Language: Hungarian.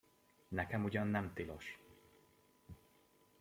Nekem ugyan nem tilos!